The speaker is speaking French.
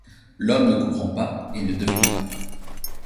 L'homme ne comprend pas et ne devine pas ;